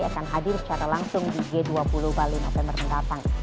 akan hadir secara langsung di g dua puluh bali napalmer yang datang